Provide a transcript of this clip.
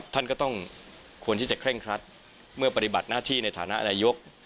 ท่านก็ต้องควรที่จะเคร่งครัดเมื่อปฏิบัติหน้าที่ในฐานะนายก